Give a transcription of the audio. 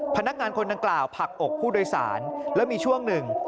พนักงานคนดังกล่าวผลักอกผู้โดยสารแล้วมีช่วงหนึ่ง